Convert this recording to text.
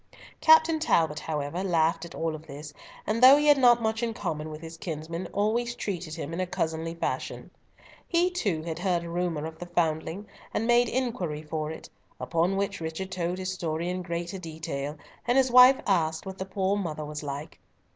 Captain Talbot, however, laughed at all this, and, though he had not much in common with his kinsman, always treated him in a cousinly fashion. He too had heard a rumour of the foundling, and made inquiry for it, upon which Richard told his story in greater detail, and his wife asked what the poor mother was like.